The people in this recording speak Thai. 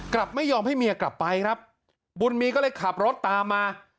กลับไม่ยอมให้เมียกลับไปครับบุญมีก็เลยขับรถตามมา